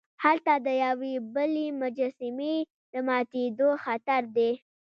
هلته د یوې بلې مجسمې د ماتیدو خطر دی.